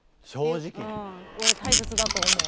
オレ大切だと思う。